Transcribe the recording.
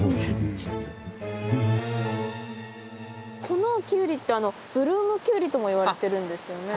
このキュウリってブルームキュウリともいわれてるんですよね？